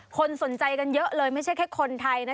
คนสนใจกันเยอะเลยไม่ใช่แค่คนไทยนะ